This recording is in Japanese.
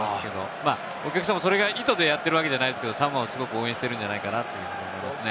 お客さんもそれが意図してやってるわけじゃないですけど、サモアをすごく応援しているんじゃないかなと思いますね。